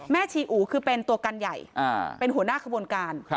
ชีอู๋คือเป็นตัวกันใหญ่เป็นหัวหน้าขบวนการ